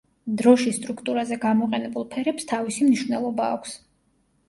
დროშის სტრუქტურაზე გამოყენებულ ფერებს თავისი მნიშვნელობა აქვს.